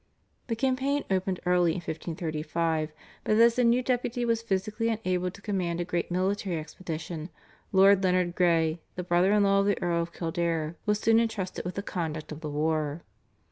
The campaign opened early in 1535, but as the new deputy was physically unable to command a great military expedition, Lord Leonard Grey, the brother in law of the Earl of Kildare, was soon entrusted with the conduct of the war.